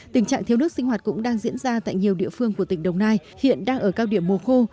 tình trạng thiếu nước sinh hoạt cũng đang diễn ra tại nhiều địa phương của tỉnh đồng nai hiện đang ở cao điểm mùa khô